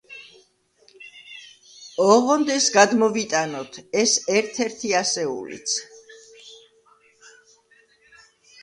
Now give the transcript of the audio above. ოღონდ ეს გადმოვიტანოთ; ეს ერთ-ერთი ასეულიც.